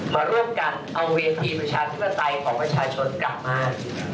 มาร่วมกันเอาเวทีประชาธิปไตยของประชาชนกลับมา